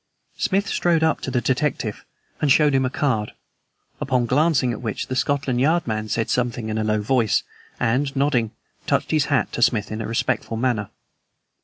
Smith strode up to the detective and showed him a card, upon glancing at which the Scotland Yard man said something in a low voice, and, nodding, touched his hat to Smith in a respectful manner.